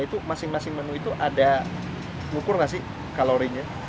itu masing masing menu itu ada ngukur nggak sih kalorinya